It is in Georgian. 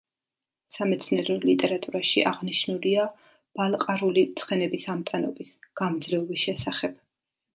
სამეცნიერო ლიტერატურაში აღნიშნულია ბალყარული ცხენების ამტანობის, გამძლეობის შესახებ.